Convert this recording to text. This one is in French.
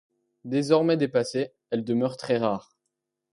Désormais dépassée, elle demeure très rare.